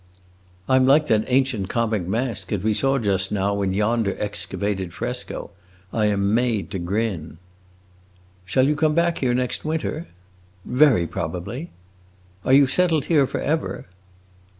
"I 'm like that ancient comic mask that we saw just now in yonder excavated fresco: I am made to grin." "Shall you come back here next winter?" "Very probably." "Are you settled here forever?"